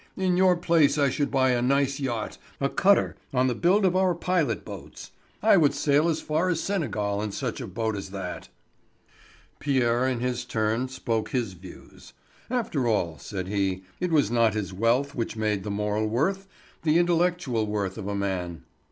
In your place I should buy a nice yacht, a cutter on the build of our pilot boats. I would sail as far as Senegal in such a boat as that." Pierre, in his turn, spoke his views. After all, said he, it was not his wealth which made the moral worth, the intellectual worth of a man.